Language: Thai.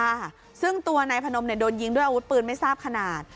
ค่ะซึ่งตัวนายพนมเนี่ยโดนยิงด้วยอาวุธปืนไม่ทราบขนาด